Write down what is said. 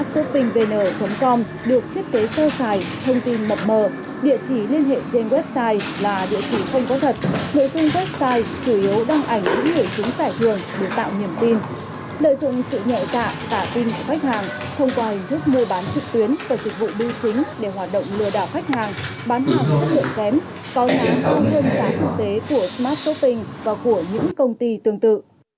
coi nắng không hơn giá thực tế của smart shopping và của những công ty tương tự